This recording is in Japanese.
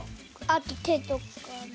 あとてとかも。